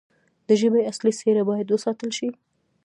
د ژبې اصلي څیره باید وساتل شي.